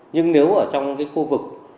nhưng nếu ở trong cái khu vực